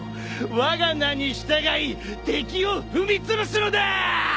わが名に従い敵を踏みつぶすのだ！